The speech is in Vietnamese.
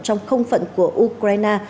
trong không phận của ukraine